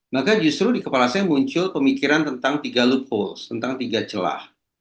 maka justru di kepala saya muncul pemikiran tentang tiga loopholes tentang tiga celah